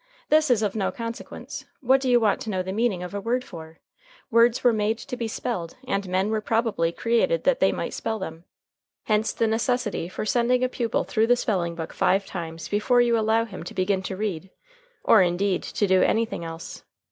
This is of no consequence. What do you want to know the meaning of a word for? Words were made to be spelled, and men were probably created that they might spell them. Hence the necessity for sending a pupil through the spelling book five times before you allow him to begin to read, or indeed to do anything else.